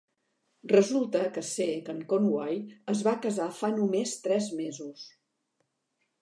Resulta que sé que en Conway es va casar fa només tres mesos.